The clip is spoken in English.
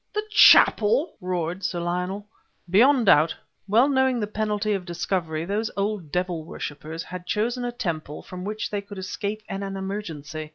the chapel?" roared Sir Lionel. "Beyond doubt! Well knowing the penalty of discovery, those old devil worshipers had chosen a temple from which they could escape in an emergency.